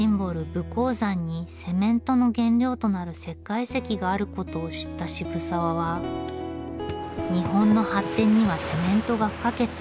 武甲山にセメントの原料となる石灰石があることを知った渋沢は日本の発展にはセメントが不可欠。